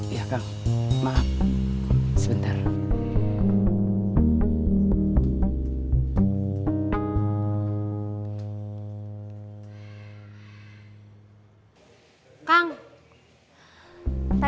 ya kak maaf sebentar